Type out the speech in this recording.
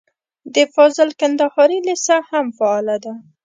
د فاضل کندهاري لېسه هم فعاله ده.